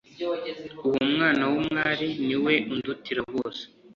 uwo mwana w'umwari niwe undutira bose